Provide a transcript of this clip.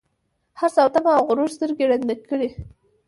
حرص او تمه او غرور سترګي ړندې کړي